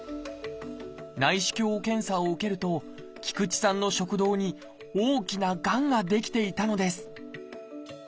内視鏡検査を受けると菊池さんの食道に大きながんが出来ていたのです。